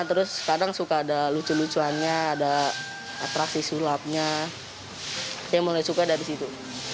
terus kadang suka ada lucu lucuannya ada atraksi sulapnya dia mulai suka dari situ